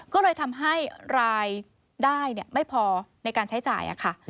ก็เลยทำให้รายได้ไม่พอในการใช้จ่ายค่ะ